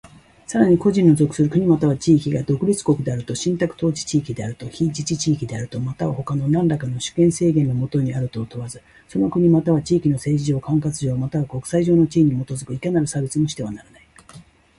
さらに、個人の属する国又は地域が独立国であると、信託統治地域であると、非自治地域であると、又は他のなんらかの主権制限の下にあるとを問わず、その国又は地域の政治上、管轄上又は国際上の地位に基づくいかなる差別もしてはならない。